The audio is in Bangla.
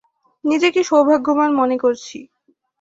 নিজেকে সৌভাগ্যবান মনে করছি।